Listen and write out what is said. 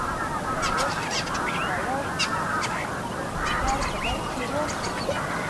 طارق یو سیار سپیکر په لاس کې واخیست.